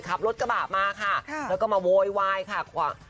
ขับรถกระบะมาค่ะแล้วก็มาโวยวายค่ะ